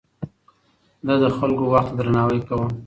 ده د خلکو وخت ته درناوی کاوه.